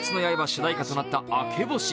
主題歌となった「明け星」。